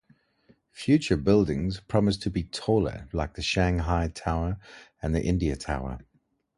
Future buildings promise to be taller, like the Shanghai Tower and the India Tower.